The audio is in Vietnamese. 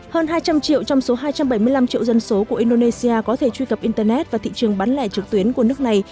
hơn hai trăm linh triệu trong số hai trăm bảy mươi năm triệu dân số của indonesia có thể truy cập internet và thị trường bán lẻ trực tuyến của nước này